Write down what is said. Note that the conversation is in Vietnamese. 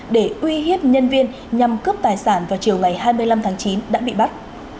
để uy hiếp nhân viên nhằm cướp tài sản vào chiều ngày hai mươi năm tháng chín đã bị bắt